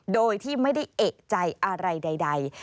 โดยที่ไม่ได้เอกใจอะไรใด